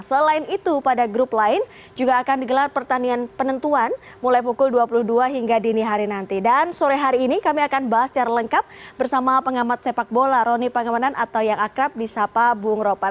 selain itu pada grup lain juga akan digelar pertandingan penentuan mulai pukul dua puluh dua hingga dini hari nanti dan sore hari ini kami akan bahas secara lengkap bersama pengamat sepak bola roni pangemanan atau yang akrab di sapa bung ropan